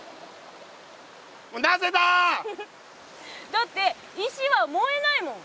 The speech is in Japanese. だって石は燃えないもん。